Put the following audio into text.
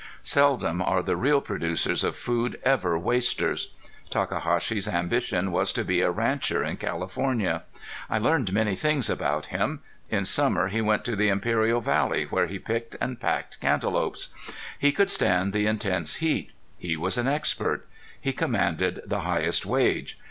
Seldom are the real producers of food ever wasters. Takahashi's ambition was to be a rancher in California. I learned many things about him. In summer he went to the Imperial Valley where he picked and packed cantaloupes. He could stand the intense heat. He was an expert. He commanded the highest wage.